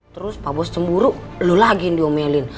terus pak bos cemburu lu lagi yang diomelin